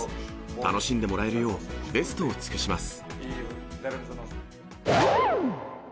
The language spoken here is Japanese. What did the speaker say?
楽しんでもらえるよう、ベストを尽くします。